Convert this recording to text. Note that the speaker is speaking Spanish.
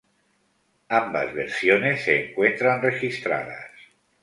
Ambas versiones se encuentran registradas.